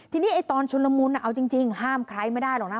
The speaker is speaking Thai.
ทีนี้ตอนชุนละมุนเอาจริงห้ามใครไม่ได้หรอกนะ